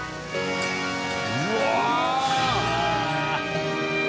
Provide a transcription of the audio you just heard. うわ！